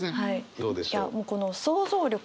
どうでしょう？